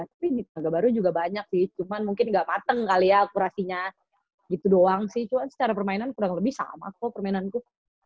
tapi di tangga baru juga banyak sih cuman mungkin nggak pateng kali ya kurasinya gitu doang sih cuma secara permainan kurang lebih sama kok permainanku